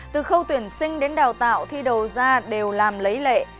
từ khâu tuyển sinh đến đào tạo thi đầu ra đều làm lấy lệ